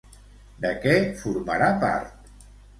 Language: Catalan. De què formarà part?